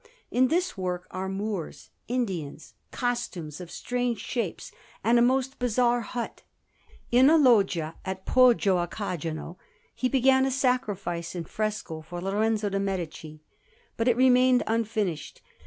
In this work are Moors, Indians, costumes of strange shapes, and a most bizarre hut. In a loggia at Poggio a Cajano he began a Sacrifice in fresco for Lorenzo de' Medici, but it remained unfinished.